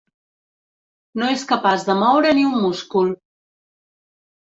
No és capaç de moure ni un múscul.